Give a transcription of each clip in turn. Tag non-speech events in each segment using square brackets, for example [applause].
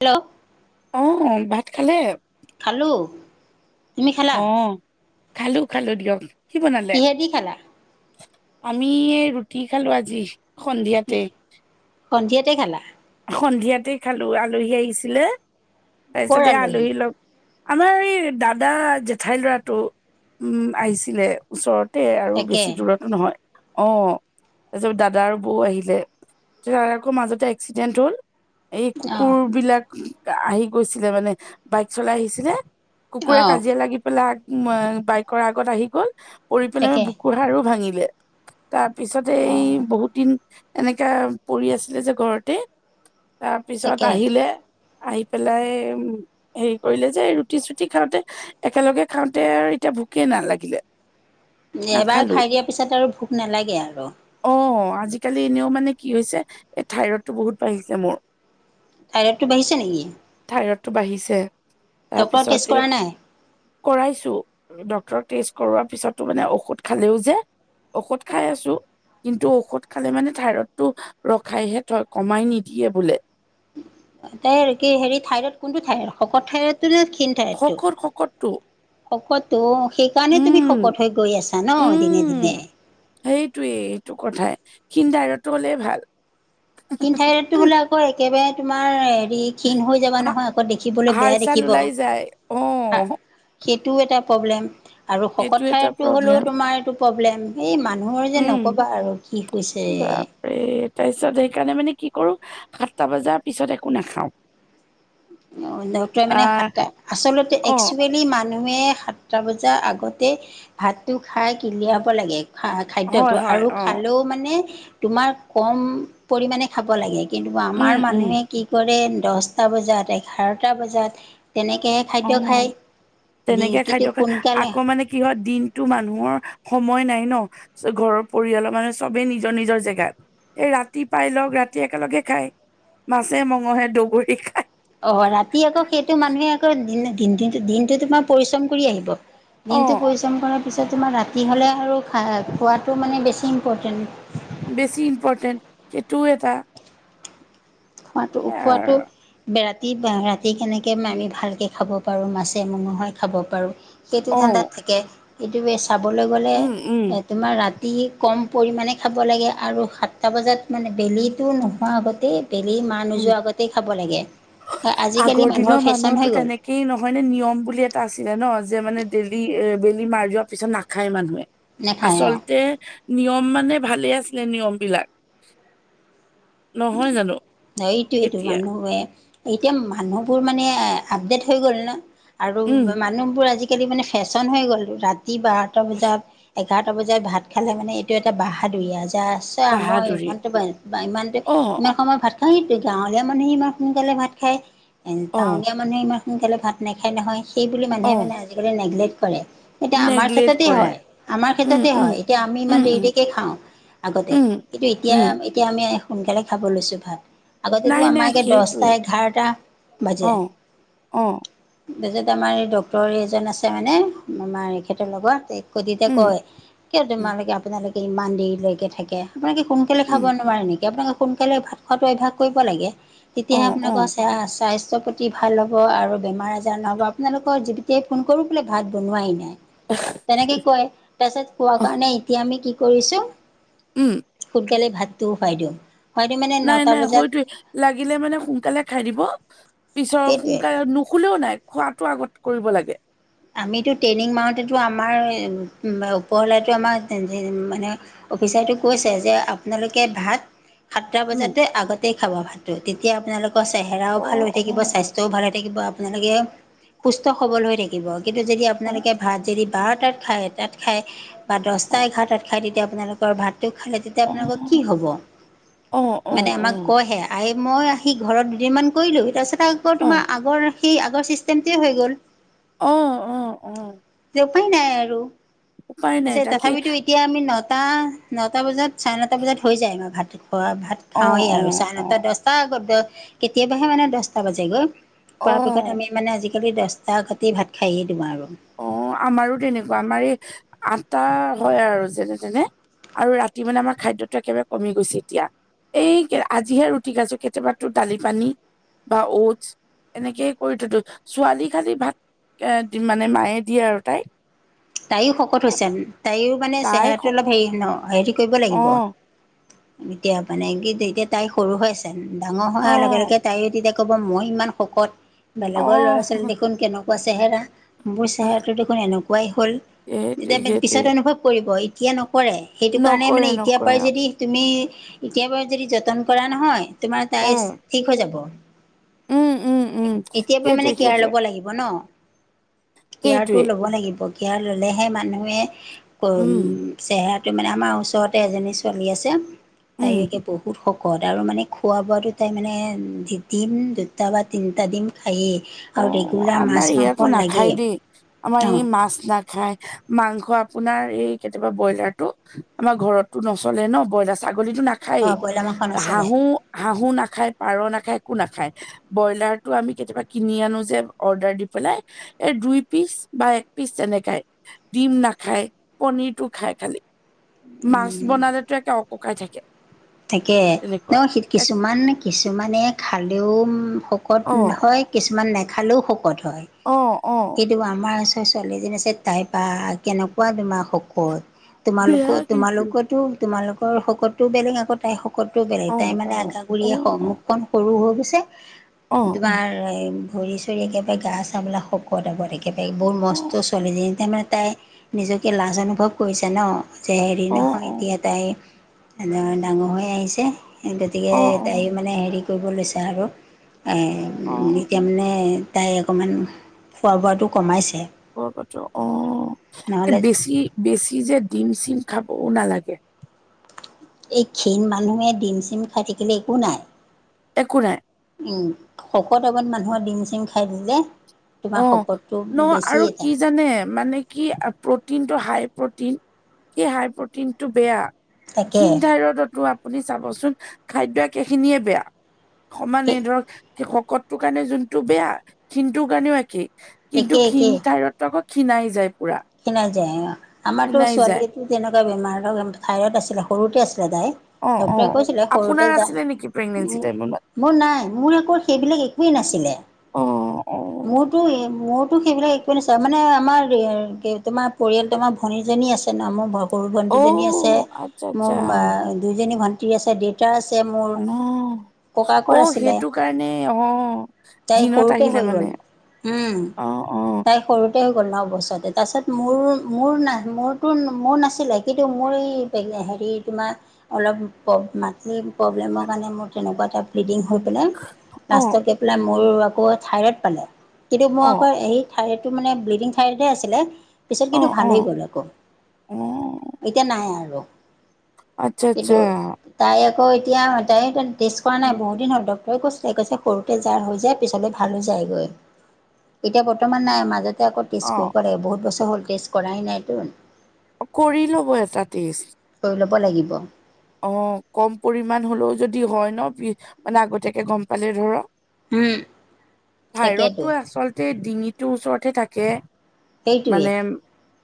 Hello অহ ভাত খালে? খালোঁ তুমি খালা অহ। খালো খালো দিয়ক। সি বনালে? কিহেদি খালা আমি ৰুটি খালো আজি সন্ধিয়াতে। সন্ধিয়াতে খালা। সন্ধিয়াতে খালো আলহী আহিছিলে তাৰপিছতে এই আলহী লগ আমাৰ এই দাদা জেঠাইৰ ল'ৰাটো উম আহিছিলে। ওচৰতে আৰু তাকে বেছি দূৰত নহয় অ তাছত দাদাৰ বৌ আহিলে তাকৌ মাজতে এক- এক্সিডেণ্ট হ'ল এই কুকুৰ অঁ বিলাক আহি গৈছিলে মানে বাইক চলাই আহিছিলে কুকুৰে অঁ কাজিয়া লাগি পেলাই আগ ওলাই বাইকৰ আগত আহি গল পৰি পাই আমি তাকে বুকুৰ হাৰো ভাঙিলে। তাৰপিছতে এই অঁ বহুত দিন এনেকা পৰি আছিলে যে ঘৰতে তাৰপিছত তাকে আহিলে আহি পেলাই উম হেৰি কৰিলে যে ৰুটি চুটি খাওঁতে একেলগে খাওঁতে আৰু এতিয়া ভোকে নালাগিলে। এবাৰ নাখালো খাই দিয়াৰ পিছত আৰু ভোক নালাগে আৰু। অ আজিকালি এনেও মানে কি হৈছে এই ঠাইৰডতটো বহুত বাঢ়িছে মোৰ। ঠাইৰতটো বাঢ়িছে নেকি? ঠাইৰতটো বাঢ়িছে ডক্টৰ টেষ্ট তাৰপিছত কৰা এইক নাই কৰাইছো, ডক্তৰক টেষ্ট কৰোৱাৰ পিছতো মানে ঔষধ খালেও যে ঔষধ খাই আছো কিন্তু ঔষধ খালে মানে ঠাইৰতটো ৰখাইহে থক- কমাই নিদিয়ে বোলে। তাইৰ কি হেৰি ঠাইৰত কোনটো ঠাইৰখ শকত ঠাইৰটো নে ক্ষীণ খকৰ শকতটো শকতটো সেইকাৰণে তুমি উম শকত হৈ গৈ আছা ন দিনে দিনে। উম সেইটোৱে এইটো কথাই ক্ষীণ দাইৰত হ'লে ভাল। ক্ষীণ ঠাইৰডতো বোলে আকৌ একেবাৰে তোমাৰ হেৰি ক্ষীণ হৈ যাবা নহয় আকৌ দেখিবলৈ হাড় বেয়া চাল দেখিব ওলাই যায় অ হা সেইটো এটা প্ৰব্লেম আৰু এইটো শকত এটা ঠাইতটো হ'লেও প্ৰব্লেম তোমাৰ এইটো প্ৰব্লেম এই মানুহৰ যে নক'বা আৰু কি হৈছে এ তাছত সেইকাৰণে মানে কি কৰো সাতটা বজাৰ পিছত একো নাখাওঁ। অ নটুৱাই মানে সাতটা আচলতে অ একচুৱেলি মান- মানুহে সাতটা বজাৰ আগতে ভাতটো খাই উলিয়াব লাগে। খা খাদ্যতো হয় হয় আৰু অ খালেও মানে তোমাৰ কম পৰিমাণে খাব লাগে। কিন্তু আমাৰ উম উম মানুহে কি কৰে দহটা বজাত এঘাৰটা বজাত তেনেকে অঁ তেনেকে খাদ্য খায় সোনকালে আকৌ মানে কি হয় দিন [unintelligible] দিনটো মানুহৰ সময় নাই ন ঘৰৰ পৰিয়ালৰ মানুহ চবেই নিজৰ-নিজৰ জেগাত। [unintelligible] এই ৰাতি পাই লওক, ৰাতি একেলগে খায়। মাছে-মঙহে দগৰি খায় [unintelligible] অ ৰাতি আকৌ সেইটো মানুহে আকৌ দিনটো [unintelligible] তোমাৰ পৰিশ্ৰম কৰি আহিব। অ দিনটো পৰিশ্ৰম কৰাৰ পিছত তোমাৰ ৰাতি হ'লে আৰু খা [unintelligible] খোৱাটো মানে বেছি ইম্পৰ্টেণ্ট। বেছি ইম্পৰ্টেণ্ট সেইটো এটা [unintelligible] মাটো সেয়াই উখোৱাটো আৰু [unintelligible] [unintelligible] ৰাতি-ৰাতি কেনেকৈ আমি ভালকৈ খাব পাৰোঁ, মাছে-মঙহে খাব পাৰোঁ। সেইটো অ ধাণ্ডাত থাকে, সেইটোৱেই চাবলৈ গ'লে উম উম তোমাৰ ৰাতি কম পৰিমাণে খাব লাগে আৰু সাতটা বজাত মানে বেলিটো নোহোৱাৰ আগতেই [unintelligible] বেলি মাৰ উম নোযোৱা আগতেই খাব লাগে। আজিকালি মানুহৰ ফেশ্বন হৈ গ'ল [unintelligible] সেই নহয় নে নিয়ম বুলি এটা আছিলে ন যে মানে বেলি এ বেলি মাৰি যোৱা পিছত নাখায় মানুহে। [unintelligible] নাখায় অ'। আচলতে নিয়ম মানে ভালে আছিলে নিয়মবিলাক [inaudible] নহয় জানো? [unintelligible] অ এইটোৱেইটো এতিয়া মানুহবোৰে, এতিয়া মানুহবোৰ মানে আপডেট হৈ গ'ল ন। আৰু উম মানুহবোৰ আজিকালি মানে ফেশ্বন হৈ গ'ল ৰাতি বাৰটা কৈছো। বজাত [inaudible] এঘাৰটা বজাত ভাত খালে মানে এইটো এটা বাহাদুুৰী আৰু জাষ্ট [unintelligible] [unintelligible] মই বাহাদুৰি ইমানটো পাৰোঁ ইমানটোৱেই অ', ইমান সময়ত ভাত খায় [unintelligible] সেইটো গাঁৱলীয়া মানুহে ইমান সোনকালে ভাত খায় এ অ', টাউনীয়া মানুহে ইমান সোনকালে ভাত নেখায় নহয় সেই বুলি মানুহে অ', মানে আজিকালি নেগলেক্ট কৰে। [unintelligible] এতিয়া আমাৰ নেগলেট ক্ষেত্ৰতে কৰে। হয়, আমাৰ উম, ক্ষেত্ৰতে উম, হয়, এতিয়া আমি ইমান উম, উম, দেৰি-দেৰিকে খাওঁ। আগতে উম, কিন্তু উম, এতিয়া-এতিয়া আমি সোনকালে খাব লৈছো ভাত [unintelligible] আগতেতো নাই, নাই আমাৰে দহটা, সেইটোৱেই। এঘাৰটা বাজে। [inaudible] অ', অ', তাৰপিছত আমাৰ এই ডক্টৰ এজন আছে মানে আমাৰ এখেতৰ লগৰ [unintelligible] সুদিতে উম, কয় কিয় উম, তোমালোকে আপোনালোকে ইমান দেৰিলৈকে থাকে। আপোনালোকে [inaudible] সোনকালে খাব উম, নোৱাৰে নেকি? আপোনালোকে সোনকালে ভাত খোৱাটো অভ্যাস কৰিব লাগে। [unintelligible] তেতিয়াহে অ', অ', আপোনালোকৰ [unintelligible] স্বাস্থ্য প্ৰতি [unintelligible] পাতি ভাল হ'ব আৰু বেমাৰ-আজাৰ নহ'ব। আপোনালোকৰ যেতিয়াই ফোন কৰো বোলে ভাত বনোৱাই নাই। অ [unintelligible] তেনেকে কয় তাৰ পিছত কোৱা কাৰণে এতিয়া আমি কি কৰিছো [unintelligible] উম [inaudible] সোনকালে ভাতটোও খাই দিওঁ। খুৱাই দিওঁ মানে নটা নাই-নাই বজাত সেইটোৱেই [unintelligible] লাগিলে মানে সোনকালে খাই দিব পিছৰ সেইটোৱে সোনকালে নুশুলেও নাই [unintelligible] খোৱাতো আগত কৰিব লাগে। আমিতো ট্ৰেইনিং মাৰোতেতো আমাৰ ওপৰলেতো আমাৰ [unintelligible] মানে অফিচাৰটো কৈছে যে আপোনালোকে ভাত সাতটা উম, বজাতে আগতেই খাব ভাতো, তেতিয়া আপোনালোকৰ চেহেৰাও ভাল অ', হৈ অ', থাকিব, স্বাস্থ্য স্বাস্থ্য‌ও ভাল হৈ থাকিব, আপোনালোকে সুস্থ, সবল হৈ থাকিব কিন্তু যদি অ', আপোনালোকে [unintelligible] ভাত যদি বাৰটাত খায়, এটাত খায় বা অ', দহটা-এঘাৰটাত খায় তেতিয়া আপোনালোকৰ ভাতটো খালে [inaudible] তেতিয়া অ', আপোনালোকৰ কি হ'ব অ', [inaudible] অ', মানে আমাক কয় অ', সেইয়া [unintelligible] আহ মই আহি ঘৰত দুদিনমান কৰিলোঁ তাৰপিছত আকৌ অ', তোমাৰ আগৰ সেই আগৰ চিষ্টেমটোৱেই হৈ গ'ল [unintelligible] অঁ-অঁ-অঁ। এতিয়া উপাই নাই আৰু [inaudible] নাই তাৰপিছত তাকেই তথাপিতো এতিয়া আমি নটা-নটা বজাত চাৰে নটা বজাত হৈ যায় আমাৰ ভাতটো খোৱা, ভাত [unintelligible] অ', খাওঁৱেই আৰু অ', চাৰে নটা অ', দহ আগত কেতিয়াবাহে মানে দহটা বাজে গৈ প অ'। পিক্ষত আমি মানে আজিকালি দহটা ঘতি ভাত খায়েই দিওঁ আৰু অ আমাৰো তেনেকুৱা আমাৰ এই আটা হয় আৰু যেনে তেনে আৰু ৰাতি মানে আমাৰ খাদ্যটো একেবাৰে কমি গৈছে এতিয়া এই আজিহে ৰুটি কাছো কেতিয়াবো দালি পানী বা টছ এনেকেই কৰি থতো ছোৱালী খালি ভাত এ দিম মানে মায়ে দিয়ে আৰু তাইক তাইো শকত হৈছে তাইও মানে তাই চেহেৰাটো সক অলপ হেৰি ন হেৰি কৰিব লাগিব অ', এতিয়া মানে কি এতিয়া তাই সৰু হৈ আছে ডাঙৰ হোৱাৰ লগে অ', লগে তাইও তেতিয়া ক'ব মই ইমান শকত বেলেগৰ ল'ৰা ছোৱালী অ'। দেখোন কেনেকুৱা চেহেৰা মোৰ চেহৰাটো দেখোন এনেকুৱাই হ'ল সেইটোৱে এতিয়া সেইটোৱে পিছত অনুভৱ কৰিব এতিয়া নকৰে সেইটো কাৰণে মানে নকৰে এতিয়াৰ নকৰে পৰাই অ', যদি তুমি এতিয় বাৰু যদি যতন কৰা নহয় তোমাৰ তাই উম, ঠিক হৈ যাব উম, উম। এতিয়াৰ পৰা সেইটোৱে মানে কেয়াৰ সেইটোৱে ল'ব লাগিব ন কেয়াৰটো সেইটোৱে ল'ব লাগিব কেয়াৰ ললেহে মানুহে উ উম, চেহেৰাটো মানে আমাৰ ওচৰতে এজনী ছোৱালী আছে উম। তায়কে পঢহো পু শকত আৰু মানে খোৱা বোৱাটো তাই মানে দম দুটা বা তিনিটা দিন আহে অ আমাৰ ই একো নাখায় দেই আমাৰ ই অঁ মাছ নাখায় মাংস আপোনাৰ এই কেতিয়াবা ব্ৰইলাৰ ো আমাৰ ঘৰতটো নচলে ন ব্ৰইলাৰ ছাগলীতটো নাখায়েই অঁ ব্ৰইলাৰ মাংস নচলে হাহো হাহো নাখায় পাৰ নাখায় একো নাখায় ব্ৰইলাৰতটো আমি কেতিয়াবা কিনি আনো যে অৰ্ডাৰ দি পেলাই এই দুই পিচ বা এক পিচ তেনেকাই ডিম নাখায় পনিৰটো খায় খালি মাছ বনালেতো একে অককাই থাকে থাকে ন তেনেকুৱা। এক কিছুমান কিছুমানে খালেও শকত অ', হয় কিছুমান নাখালেও শকত হয় অ', অ', কিন্তু আমাৰ ছোৱালীজননীছে তাই পা কেনেকুৱা তোমাৰ শকত বেয়া তোমালোকৰ কিন্তু তোমালোকতো তোমালোকৰ শকতো বেলেগ আকৌ তাই শকত শকত বেলেগ তাই অ', মানে অ', আগা কৰিয়ে অ', মুখখন সৰু হৈ গৈছে অ', তোমাৰ ভৰি চৰি একেবাৰে গা চাবলাক শকতাব লাগে একেবাৰে বহৰ অ'। মষ্ট চলি যে তাৰমানে তাই নিজকে লাজ অনুভৱ কৰিছে ন যে হেৰি অ', নহয় অ', এতিয়া তাইৰ ডাঙৰ হৈ আহিছে গতিকে অ', তাই অ', মানে হেৰি কৰিব লৈছে আৰু অ', এতিয়া মানে তাই অকণমান খোৱা বোৱাটো কমাইছে ক কত অ নহ'লে বেছি বেছি যে ডিম চিম খাবও নালাগে এই ক্ষীণ মানুহে ডিম চিম খাই থাকিলে একো নাই একো নাই উম শকত অৱত মানুহৰ ডিম চিম খাই দিলে তোমাৰ অ শকতটো ন বেছি আৰু এটা কি জানে মানে কি প্ৰটিন টো হাই প্ৰটিন কি হাই প্ৰটিন টো বেয়া সিন ঠাই তাকে ৰডতো আপুনি চাবচোন খাদ্য একেইখিনিয়ে বেয়া সমান এই ধৰক শকতটোৰ কাৰণে যোনটো বেয়া সন্তটোৰ কাৰণেও একেই একে কিন্তু ক্ষীণ কাৰত আকৌ ক্ষীণাই যায় পুৰা ক্ষীনাই যায় আমাৰতো ক্ষীণাই যায় ছোৱালীটো তেনেকুৱা বেমাৰ থাইৰ'ড আছিলে সৰুতে আছিলে তাই অ', ডক্টৰে অ', কৈছিলে আপোনাৰ সৰুতে যা আছিলে নেকি প্ৰেগনেঞ্চি উম টাইমত মোৰ নাই মোৰ আকৌ সেইবিলাক একোৱেই নাছিলে। অ', অ', মোৰতো মোৰতো সেইবিলাক একোৱে নেচাই মানে আমাৰ তোমাৰ পৰিয়াল তোমাৰ ভনীজনী আছে ন মোৰ সৰু ভণ্টীজনী আছে অ' আচ্ছা মোৰ আচ্ছা বা দুইজনী ভণ্টী আছে দেউতা আছে মোৰ অ' ককাকৰ অ', আছিলে সেইটো কাৰণে অ', তাই দিনত সৰুতে হৈ আহিলে গ'ল মানে উম, অ' অ' তাই সৰুতে হৈ গ'ল ন বছৰতে। তাৰপিছত মোৰ মোৰ না মোৰতো মোৰ নাছিলে কিন্তু মোৰ এই হেৰি তোমাৰ অলপ মাটি প্ৰব্লেমৰ কাৰণে মোৰ তেনেকুৱা টাইপ ব্লিডিং হৈ পেলাই অ' লাষ্টত গৈ পেলাই মোৰ আকৌ থাইৰ'ড পালে। কিন্তু মই অ' আকৌ এই থাইৰয়ডটো মানে ব্লিডিং থাইৰয়ড আছিলে। পিছত কিন্তু অ' ভালেই অ' গ'ল আকৌ অ' এতিয়া নাই আৰু। আচ্ছা, কিন্তু আচ্ছা। তাই আকৌ এতিয়া তাই টেষ্ট কৰা নাই উম, বহুত দিন হ'ল তো তই কৈছে,। কৈছে সৰুতে যাৰ হৈ যায় পিছলৈ ভালো যায়গৈ এতিয়া বৰ্তমান নাই মাজতে আকৌ টেষ্ট অ' কৰি কৰে বহুত বছৰ হ'ল টেষ্ট কৰা নাইতো। কৰি ল'ব এটা টেষ্ট। কৰি ল'ব লাগিব। অ', ক'ম পৰিমাণ হ'লেও যদি হয় ন বি মানে আগতীয়াকে গ'ম পালে ধৰক উম, ভাইৰতো তাকেতো আচলতে গোটেই ডিঙিটো ওচৰৰত হ থাকে সেইটোৱে মানে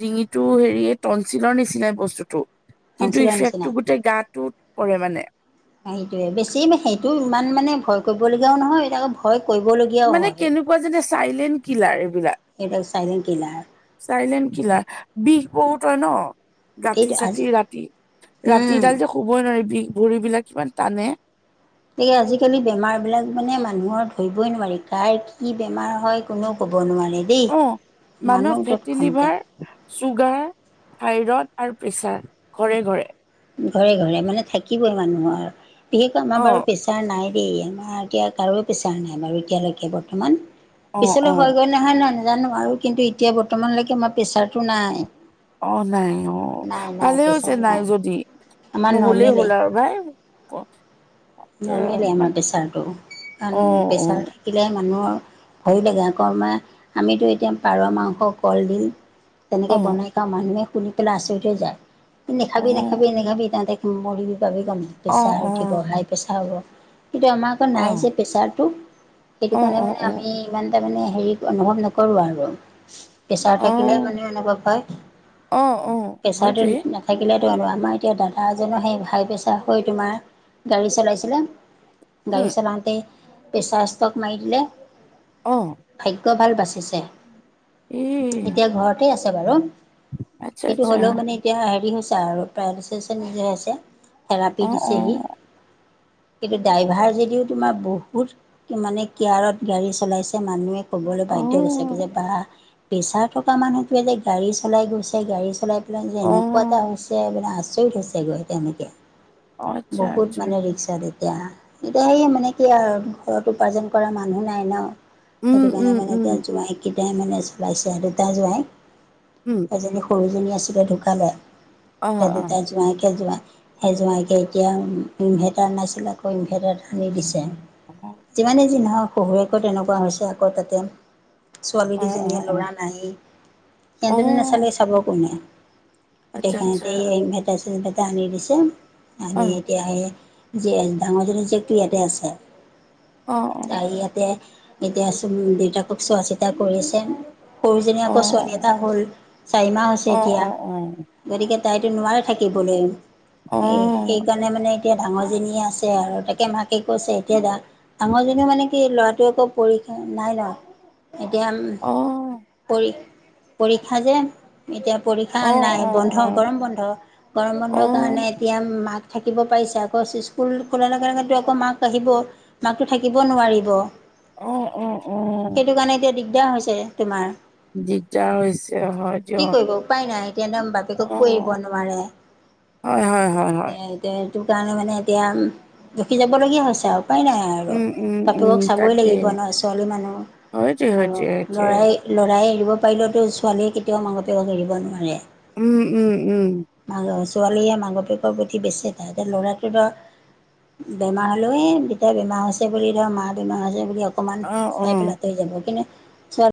ডিঙিটো হেৰি টনচিলৰ নিচিনাই বস্তুতটো কিন্তু কাউঞ্চিলৰ ইফেক্টটো নিচিনা গোটেই কৰে মানে। সেইটোয়ে বেছি সেইটো ইমান মানে ভয় কৰিবলগীয়াও নহয় এতি আকৌ ভয় কৰিবলীয়া মানে কেনেকুৱা যেনে চাইলেণ্ট কিলাৰ এইবিলাক। এইবিলাক চাইলেণ্ট কিলাৰ চাইলেণ্ট কিলাৰ বিষ বহুতই ন। এইটো গাঁঠি আজি চাঠি ৰাতি উম, ৰাতিডাল যে শুবই নোৱাৰি বি ভৰিবিলাক ইমান টানে। সেয়ে আজিকালি বেমাৰ বিলাক মানে মানুহৰ ধৰিবই নোৱাৰি কাৰ কি বেমাৰ হয় কোনেও ক'ব নোৱাৰে। দেই অ মানুহৰ মানুহ তত ফেটি খন্ত লিভাৰ [unintelligible] চুগাৰ থাইৰড আৰু প্ৰেচাৰ ঘৰে, ঘৰে। ঘৰে, ঘৰে মানে থাকিবইে মানুহৰ আৰু বিশেষকৈ আমাৰ অ বাৰু বেছ চাৰ নাই দেই আমাৰ এতিয়া কাৰো পেচাৰ নাই বাৰু এতিয়ালৈকে বৰ্তমান অ অ পিছলৈ হয় গৈ নে। নহয় নাই নাজানো আৰু কিন্তু এতিয়া বৰ্তমানলৈকে মাৰ প্ৰেছাৰটো নাই। অ', নাই অ', নাই নাই ভালে হৈছে প্ৰেছাৰ নাই যদি। আমাৰ নহলেই হ'ল আৰু ভাই ক। নৰ্মলে আমাৰ প্ৰেচাৰটো অ কাৰণ প্ৰেছাৰ অ থাকিলে মানুহৰ ভৰি থাকেগে আমাৰ আমিতো এতিয়া পাৰ মাংস কলডিল তেনেকে বনাই খাওঁ মানুহে শুনি পেলাই আচৰিত যায় অ অ নেখাবি নেখায় নেখাবি তাহতে মৰি পাবি গ'ম অ প্ৰেছাৰ অ উঠিব হাই প্ৰেছাৰ হ'ব কিন্তু আমাক নাই যে প্ৰেছাৰটো সেইটো কাৰণে অ মানে অ আমি ইমানটা মানে হেৰি অনুভৱ নকৰোঁ আৰু। প্ৰেছাৰ অ থাকিলে অ মানে অনুভৱ হয় অ', অ'। প্ৰেছাৰটো হয়টোৱে। নাথাকিলেতো আৰু আমাৰ এতিয়া দাদা এজনো সেই হাই প্ৰেছাৰ হৈ তোমাৰ গাড়ী চলাইছিলে গাড়ী উম, চলাওঁতে প্ৰেছাৰ ষ্ট্ৰোক মাৰি দিলে। অ', ভাগ্য ভাল বাচিছে এই এতিয়া ঘৰতেই আছে বাৰু আচ্ছা সেইটো আচ্ছা, হলেও মানে এতিয়া হেৰি হৈছে আৰু [unintelligible] নিজে হৈছে থেৰাপি অ', দিছেহি অ', কিন্তু ড্ৰাইভাৰ যদিও তোমাৰ বহুত মানে কেয়াৰত গাড়ী চলাইছে মানুহে ক'বলৈ অ'। বাধ্য হৈছে গে যে বা প্ৰেছাৰ থকা মানুহটোৱে যে গাড়ী চলাই গৈছে গাড়ী চলাই যে অ'। এনেকুৱা এটা অ', হৈছে মানে আচৰিত হৈছে গৈ তেনেকে আচ্ছা বহুত আচ্ছা। মানে ৰিক্স তাত এতিয়া এতিয়া সেই মানে কি আৰু ঘৰত উপাৰ্জন কৰা মানুহ নাই ন' উম, সেইটো কাৰণে উম, মানে উম, এতিয়া জোঁৱাই কেইটাই মানে চলাইছে দুটা জোঁৱাই উম, এজনী সৰুজনী আছিলে ঢুকালে, অ', এতিয়া অ'। দুতাই জোঁৱাইকৈ [unintelligible] সেই জোঁৱাইকে এতিয়া ইনভাৰ্টাৰ নাছিলে আকৌ ইনভাৰটাৰটো আনি দিছে। অ', যিমানেই যি নহক শহুৱেকৌ তেনেকুৱা হৈছে আকৌ তাতে ছোৱালী অ', দুজনীয়ে অ', অ', ল'ৰা নাই অ সিহঁতে নাচালে চাব কোনে? আচ্ছা আচ্ছা, গোটেইখিনতে মেটা চেটা আনি দিছে আনি অ', এতিয়া এই যে ডাঙৰ জনি জীয়েকটো ইয়াতে আছে অ', অ', তাই য়াতে এতিয়া আছো দেউতাকক চোৱা চিতা কৰি আছে সৰুজনী আকৌ অ', ছোৱালী এটা হ'ল চাৰিমাহ হৈছে অ', অ', এতিয়া অ', গতিকে তাইতো নোৱাৰে থাকিবলৈ, অ', অ', অ', অ', এই সেইকাৰণে মানে এতিয়া ডাঙৰজনীয়ে আছে আৰু তাকে মাকে কৈছে এতিয়া ডাঙৰজনীও মানে কি ল'ৰাটোৱে একৌ পৰীক্ষা নাই ন' এতিয়া অ'। পৰীক্ষা যে এতিয়া পৰীক্ষা নাই বন্ধ গৰম বন্ধ গৰম বন্ধৰ কাৰণে এতিয়া মাক থাকিব পাৰিছে আকৌ স্কুল খোলাৰ লগে লগে আকৌ মাক আহিব মাকতো থাকিব নোৱাৰিব অ', অ', অ', অ সেইটো কাৰণে এতিয়া দিগদাৰ হৈছে তোমাৰ দিগদাৰ হৈছে হয় কি দিয়ক, কৰিব উপায় নাই এতিয়া দম বাপেকক কৰিব অ'। নোৱাৰে হয় হয় হয় হয়, সেইটো কাৰণে মানে এতিয়া ৰখি যাবলগীয়া হৈছে আৰু উপায় নাই আৰু আৰু উম, উম, উম, বাপেকক চাবই তাকে। লাগিব ন' ছোৱালী মানুহ সেইটোৱে, আৰু সেইটোৱে, সেইটোৱে। ল'ৰাই ল'ৰাই এৰিব পাৰিলেওতো ছোৱালীয়ে কেতিয়াও মাক বাপেকক এৰিব নোৱাৰে উম, উম, উম, [unintelligible] ছোৱালীয়ে মাক বাপেকৰ প্ৰতি বেছি এটা এতিয়া ল'ৰা [unintelligible] বেমাৰ হ'লেও এ দেতাই বেমাৰ হৈছে বুলি ধৰ মা বেমাৰ হৈছে বুলি অকণমান অ', চাই অ'। পেলাইতে যাব কিনে।